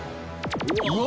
うわ！